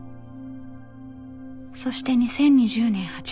そして２０２０年８月。